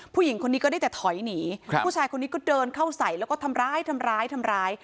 ผู้หญิงคนนี้ก็ได้แต่ถอยหนีผู้ชายคนนี้ก็เดินเข้าใส่แล้วก็ทำร้ายทำร้ายทำร้ายทำร้าย